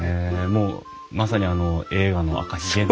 もうまさにあの映画の「赤ひげ」の。